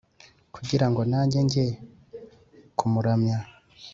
kugira ngo nanjye njye kumuramya